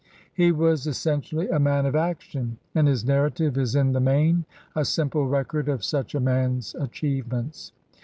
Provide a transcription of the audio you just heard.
He was essentially a man of action* and his narrative is in the main a simple record of such a man's achievements.